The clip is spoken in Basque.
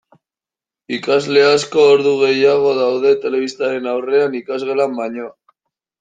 Ikasle asko ordu gehiago daude telebistaren aurrean ikasgelan baino.